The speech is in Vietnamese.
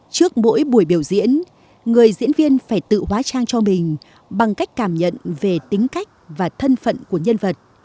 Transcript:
trước mỗi buổi biểu diễn người diễn viên phải tự hóa trang cho mình bằng cách cảm nhận về tính cách và thân phận của nhân vật